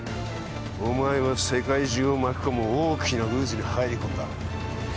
お前は世界中を巻き込む大きな渦に入り込んだ。